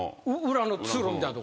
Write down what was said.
裏の通路みたいな所？